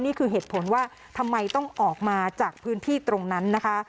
นี่คือเหตุผลว่าทำไมต้องออกมาจากพื้นที่ตรงนั้นนะคะ